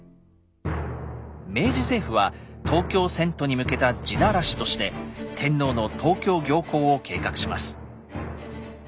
明治政府は東京遷都に向けた地ならしとして天皇の東京行幸を計画します。